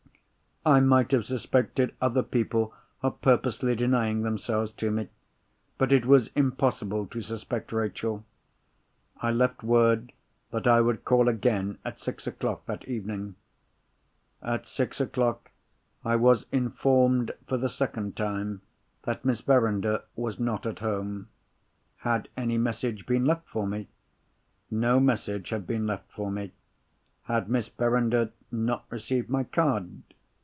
I might have suspected other people of purposely denying themselves to me. But it was impossible to suspect Rachel. I left word that I would call again at six o'clock that evening. At six o'clock I was informed for the second time that Miss Verinder was not at home. Had any message been left for me. No message had been left for me. Had Miss Verinder not received my card?